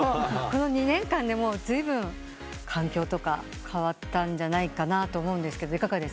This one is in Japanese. この２年間でずいぶん環境とか変わったんじゃないかなと思うんですけどいかがですか？